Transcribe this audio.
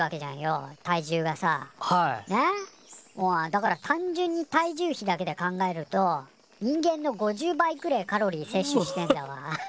だから単純に体重比だけで考えると人間の５０倍くれえカロリーせっ取してんだわ。